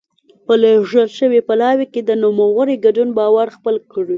په لېږل شوي پلاوي کې د نوموړي ګډون باور خپل کړي.